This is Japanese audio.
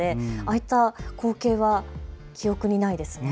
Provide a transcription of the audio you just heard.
あいった光景は記憶にないですね。